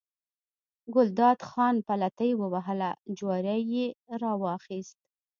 ګلداد خان پلتۍ ووهله، جواری یې راواخیست.